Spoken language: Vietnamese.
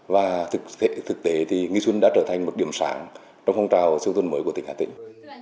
và thực tế thì nguyên xuân đã trở thành một điểm sáng trong phong trào xây dựng mô hình của tỉnh hà tĩnh